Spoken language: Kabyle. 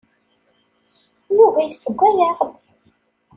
Yuba yessewway-aɣ-d.